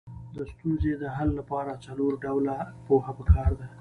د ستونزې د حل لپاره څلور ډوله پوهه پکار ده.